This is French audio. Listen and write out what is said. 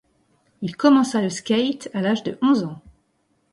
Il commença le skate à l'âge de onze ans.